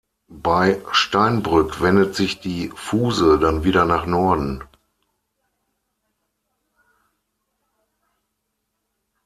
Bei Steinbrück wendet sich die Fuhse dann wieder nach Norden.